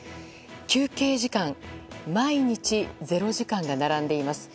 休憩時間毎日０時間が並んでいます。